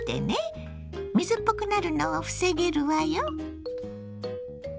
水っぽくなるのを防げるわよ。